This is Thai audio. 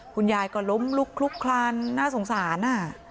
คุณยายก็ล้มลุกคลุกคลานน่าสงสาร